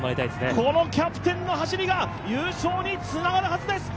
このキャプテンの走りが優勝につながるはずです。